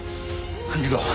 行くぞ。